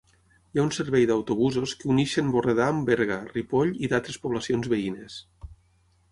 Hi ha un servei d'autobusos que uneixen Borredà amb Berga, Ripoll i d'altres poblacions veïnes.